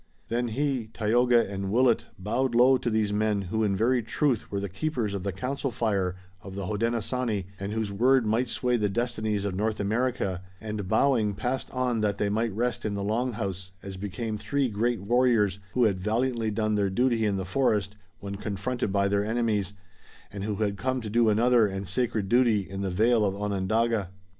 Then he, Tayoga and Willet bowed low to these men who in very truth were the keepers of the council fire of the Hodenosaunee, and whose word might sway the destinies of North America, and, bowing, passed on that they might rest in the Long House, as became three great warriors who had valiantly done their duty in the forest when confronted by their enemies, and who had come to do another and sacred duty in the vale of Onondaga.